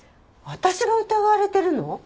私が疑われてるの？